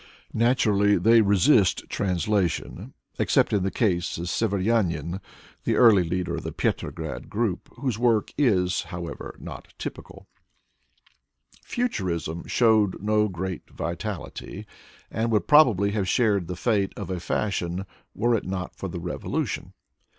Naturally, they resist trans lation, except in the case of Severyanin, the early leader of the Petrograd group, whose work is, however, not typical. Introduction xix Futurism showed no great vitality, and would prob ably have shared the fate of a fashion, were it not for the revolution.